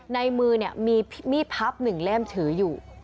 ในมือมีมีดพับ๑เล่มถืออยู่